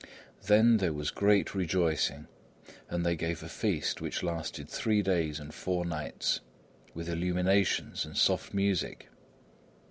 Then there was great rejoicing; and they gave a feast which lasted three days and four nights, with illuminations and soft music.